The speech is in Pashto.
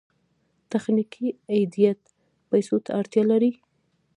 تخنیکي ایډېټ پیسو ته اړتیا لرله.